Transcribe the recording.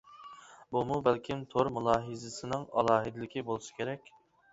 بۇمۇ بەلكىم تور مۇلاھىزىسىنىڭ ئالاھىدىلىكى بولسا كېرەك.